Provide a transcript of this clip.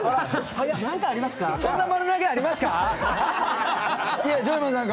そんな丸投げありますか？